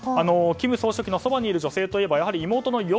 金総書記のそばにいる女性といえばやはり妹の与